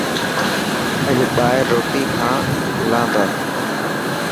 اڄ ٻاهر روٽي کان هلا تا.